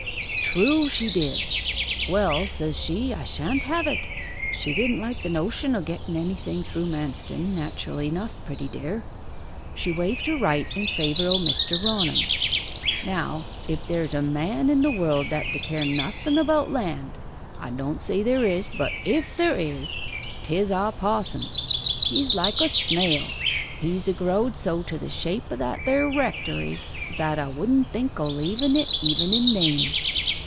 'True, she did. "Well," says she, "I shan't have it" (she didn't like the notion o' getten anything through Manston, naturally enough, pretty dear). She waived her right in favour o' Mr. Raunham. Now, if there's a man in the world that d'care nothen about land I don't say there is, but if there is 'tis our pa'son. He's like a snail. He's a growed so to the shape o' that there rectory that 'a wouldn' think o' leaven it even in name.